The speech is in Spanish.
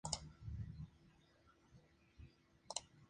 Las únicas empresas nuevas son una escuela de conducir y un taller de coches.